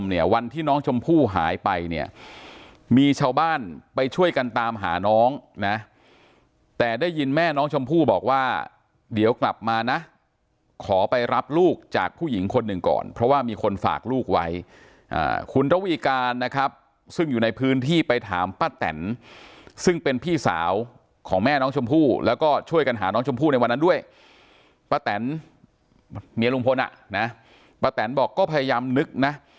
เนี่ยวันที่น้องชมพู่หายไปเนี่ยมีชาวบ้านไปช่วยกันตามหาน้องนะแต่ได้ยินแม่น้องชมพู่บอกว่าเดี๋ยวกลับมานะขอไปรับลูกจากผู้หญิงคนหนึ่งก่อนเพราะว่ามีคนฝากลูกไว้คุณระวีการนะครับซึ่งอยู่ในพื้นที่ไปถามป้าแตนซึ่งเป็นพี่สาวของแม่น้องชมพู่แล้วก็ช่วยกันหาน้องชมพู่ในวันนั้นด้วยป้าแตนเมียลุงพลอ่ะนะป้าแตนบอกก็พยายามนึกนะ